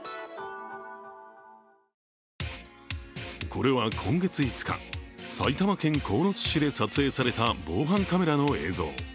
これは今月５日、埼玉県鴻巣市で撮影された防犯カメラの映像。